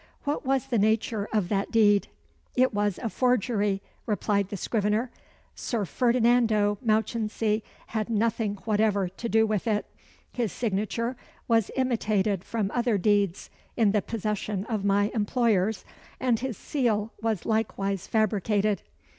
What was the nature of that deed?" "It was a forgery," replied the scrivener. "Sir Ferdinando Mounchensey had nothing whatever to do with it. His signature was imitated from other deeds in the possession of my employers, and his seal was likewise fabricated."